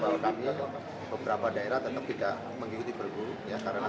bahwa kami beberapa daerah tetap tidak mengikuti pergub